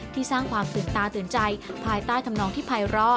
สร้างความตื่นตาตื่นใจภายใต้ธรรมนองที่ภัยร้อ